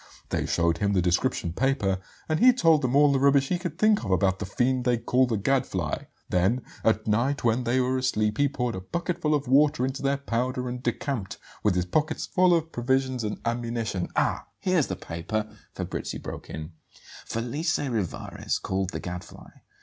They showed him the description paper, and he told them all the rubbish he could think of about 'the fiend they call the Gadfly.' Then at night, when they were asleep, he poured a bucketful of water into their powder and decamped, with his pockets full of provisions and ammunition " "Ah, here's the paper," Fabrizi broke in: "'Felice Rivarez, called: The Gadfly.